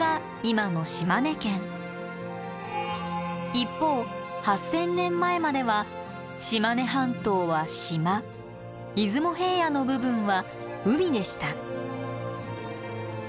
一方８，０００年前までは島根半島は島出雲平野の部分は海でした